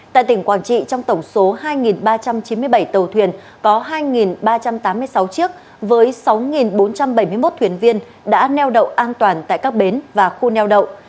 tại tỉnh quảng trị trong tổng số hai ba trăm chín mươi bảy tàu thuyền có hai ba trăm tám mươi sáu chiếc với sáu bốn trăm bảy mươi một thuyền viên đã neo đậu an toàn tại các bến và khu neo đậu